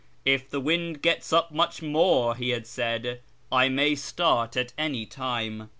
" If the wind gets up much more," he had said, " I may start at any time."